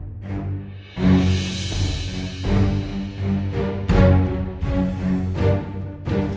sampai jumpa di video selanjutnya